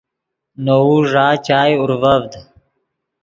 نے وؤ ݱا چائے اورڤڤد